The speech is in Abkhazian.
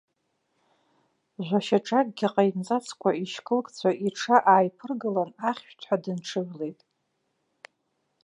Жәа-шьаҿакгьы ҟаимҵацқәа, ишькылкцәа иҽы ааиԥыргалан, ахьышәҭҳәа дынҽыжәлеит.